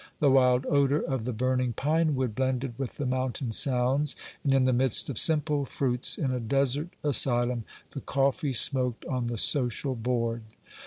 The wild odour of the burning pinewood blended with the mountain sounds, and in the midst of simple fruits, in a desert asylum, the coffee smoked on the social board.